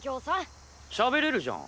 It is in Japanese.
しゃべれるじゃん。